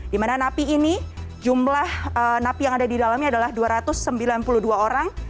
di mana napi ini jumlah napi yang ada di dalamnya adalah dua ratus sembilan puluh dua orang